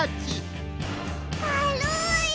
かるい！